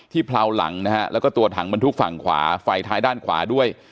เผลาหลังนะฮะแล้วก็ตัวถังบรรทุกฝั่งขวาไฟท้ายด้านขวาด้วย